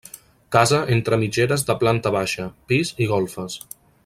Casa entre mitgeres de planta baixa, pis i golfes.